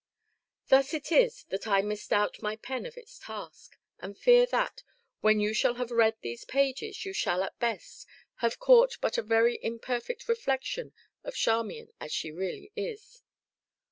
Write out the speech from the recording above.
Thus it is that I misdoubt my pen of its task, and fear that, when you shall have read these pages, you shall, at best, have caught but a very imperfect reflection of Charmian as she really is.